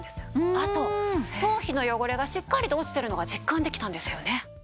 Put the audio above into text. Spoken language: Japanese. あと頭皮の汚れがしっかりと落ちてるのが実感できたんですよね。